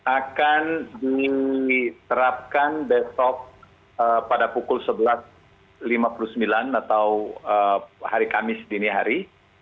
akan diterapkan besok pada pukul sebelas lima puluh sembilan atau hari kamis dini hari